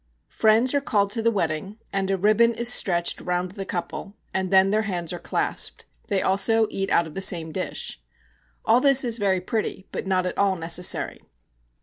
Friends are called to the wedding, and a ribbon is stretched round the couple, and then their hands are clasped; they also eat out of the same dish. All this is very pretty, but not at all necessary.